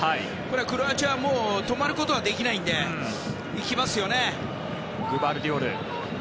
クロアチアは止まることはできないのでいきますよね。